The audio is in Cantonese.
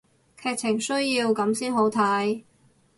劇情需要噉先好睇